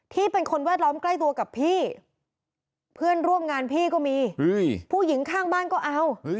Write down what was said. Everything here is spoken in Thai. เป็นคนแวดล้อมใกล้ตัวกับพี่เพื่อนร่วมงานพี่ก็มีผู้หญิงข้างบ้านก็เอา